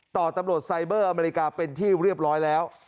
ต่อตำรวจไซเบอร์อเมริกาเป็นที่เรียบร้อยแล้ว